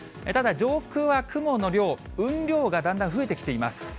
ただ上空は雲の量、雲量がだんだん増えてきています。